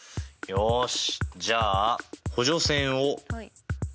よし。